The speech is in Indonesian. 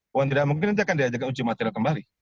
bukan tidak mungkin akan diajarkan uji materi kembali